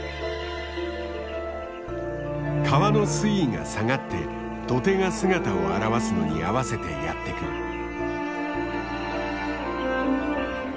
川の水位が下がって土手が姿を現すのに合わせてやって来る。